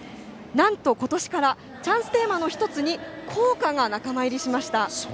なんと、今年からチャンステーマの１つに校歌が仲間入りしました。